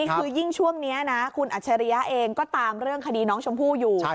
คือยิ่งช่วงนี้นะคุณอัจฉริยะเองก็ตามเรื่องคดีน้องชมพู่อยู่